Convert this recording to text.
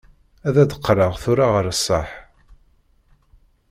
Ad d-qqleɣ tura ɣer ṣṣeḥ.